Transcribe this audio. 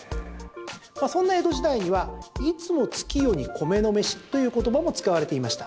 そんな江戸時代にはいつも月夜に米の飯という言葉も使われていました。